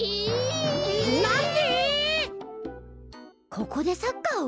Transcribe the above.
ここでサッカーを？